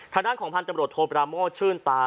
ฐานั่งของพันธ์ตำรวจโทบราโม้ชื่นตา